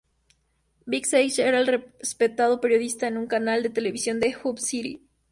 Vic Sage era un respetado periodista en un canal de televisión de Hub City.